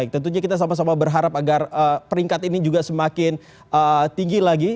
tentunya kita sama sama berharap agar peringkat ini juga semakin tinggi lagi